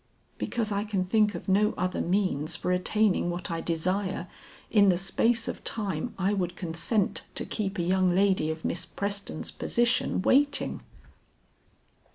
"Because I can think of no other means for attaining what I desire, in the space of time I would consent to keep a young lady of Miss Preston's position waiting."